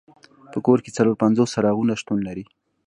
په کور کې څلور پنځوس څراغونه شتون لري.